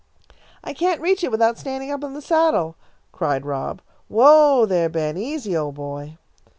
"I can't reach it without standing up on the saddle," called Rob. "Whoa, there, Ben! Easy, old boy!"